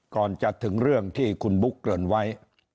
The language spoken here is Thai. ก่อนจะถึงเรื่องที่คุณบุ๊กเกริ่นไว้